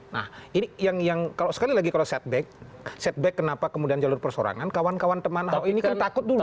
nah ini yang kalau sekali lagi kalau setback kenapa kemudian jalur persorangan kawan kawan teman ahok ini kan takut dulu